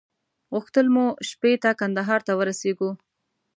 غوښتل مو شپې ته کندهار ته ورسېږو.